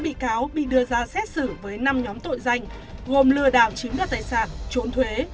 bốn bị cáo bị đưa ra xét xử với năm nhóm tội danh gồm lừa đảo chiếm đoạt tài sản trốn thuế